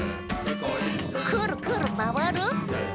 「くるくるまわる！」